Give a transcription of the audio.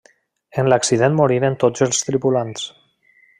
En l'accident moriren tots els tripulants.